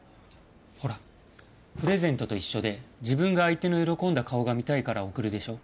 ほらプレゼントと一緒で自分が相手の喜んだ顔が見たいから贈るでしょ？